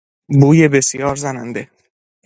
بوی بسیار زننده